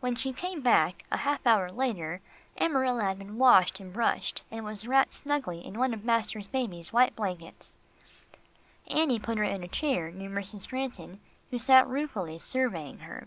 When she came back, a half hour later, Amarilla had been washed and brushed, and was wrapped snugly in one of Master Baby's white blankets. Annie put her in a chair near Mrs. Granton who sat ruefully surveying her.